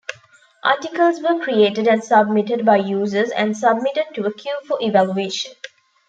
Articles were created and submitted by users and submitted to a queue for evaluation.